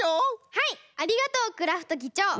はいありがとうクラフトぎちょう！